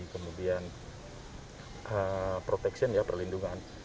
kemudian protection ya perlindungan